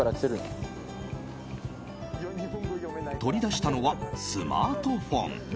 取り出したのはスマートフォン。